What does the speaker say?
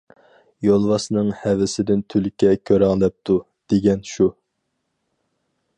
يولۋاسنىڭ ھەيۋىسىدىن تۈلكە كۆرەڭلەپتۇ، دېگەن شۇ.